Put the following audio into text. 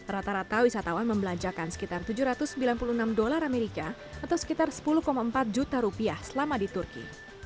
rata rata wisatawan membelanjakan sekitar tujuh ratus sembilan puluh enam dolar amerika atau sekitar sepuluh empat juta rupiah selama di turki